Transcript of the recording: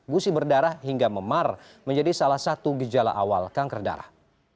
gusi berdarah hingga memar menjadi salah satu gejala awal kanker darah